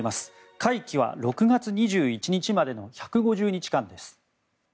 会期は６月２１日までの１５０日間です。